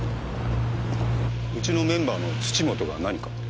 うちのメンバーの土本が何か？